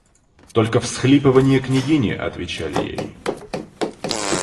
Только всхлипыванья княгини отвечали ей.